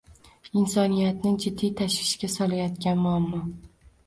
Insoniyatni jiddiy tashvishga solayotgan muammo